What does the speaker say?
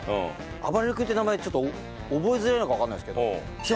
あばれる君って名前ちょっと覚えづらいのかわかんないですけど。